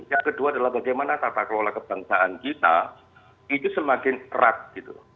yang kedua adalah bagaimana tata kelola kebangsaan kita itu semakin erat gitu